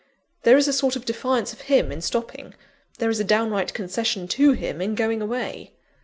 There is a sort of defiance of him in stopping; there is a downright concession to him in going away."